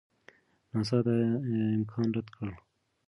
ناسا دا امکان رد کړ.